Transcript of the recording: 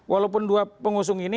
walaupun dua pengusung ini